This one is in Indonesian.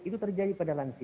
itu terjadi pada lansia